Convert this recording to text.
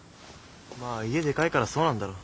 まあ家デカいからそうなんだろ。